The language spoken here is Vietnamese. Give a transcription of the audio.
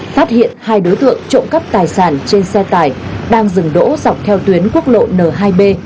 phát hiện hai đối tượng trộm cắp tài sản trên xe tải đang dừng đỗ dọc theo tuyến quốc lộ n hai b